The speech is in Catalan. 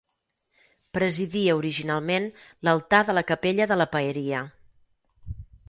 Presidia originalment l'altar de la capella de la Paeria.